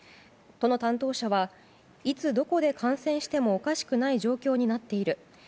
都の担当者はいつどこで感染してもおかしくない状況になっている。